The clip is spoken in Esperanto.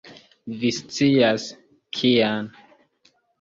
Vi scias, kian.